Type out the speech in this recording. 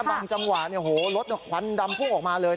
บางจังหวะรถควันดำพุ่งออกมาเลย